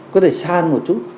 có thể san một chút